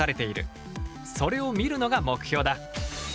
それを見るのが目標だ。